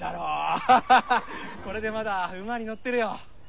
これでまだ馬に乗ってるよ。